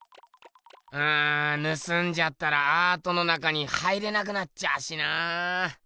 うんぬすんじゃったらアートの中に入れなくなっちゃうしなあ。